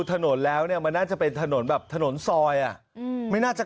ถนนแล้วเนี่ยมันน่าจะเป็นถนนแบบถนนซอยอ่ะอืมไม่น่าจะ